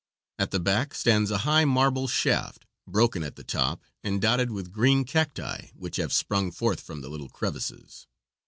At the back stands a high marble shaft, broken at the top, and dotted with green cacti which have sprung forth from the little crevices.